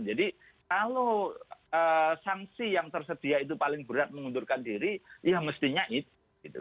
jadi kalau sanksi yang tersedia itu paling berat mengunturkan diri ya mestinya itu